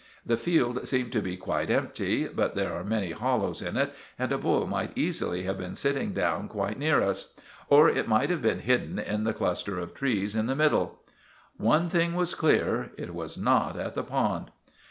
The field seemed to be quite empty, but there are many hollows in it, and a bull might easily have been sitting down quite near us. Or it might have been hidden in the cluster of trees in the middle. One thing was clear. It was not at the pond.